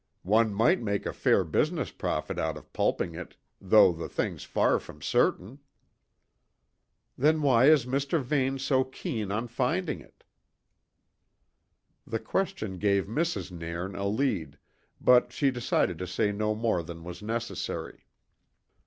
"One might make a fair business profit out of pulping it, though the thing's far from certain." "Then why is Mr. Vane so keen on finding it?" The question gave Mrs. Nairn a lead, but she decided to say no more than was necessary.